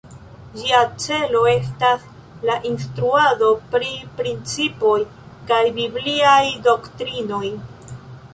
Ĝia celo estas la instruado pri principoj kaj bibliaj doktrinoj.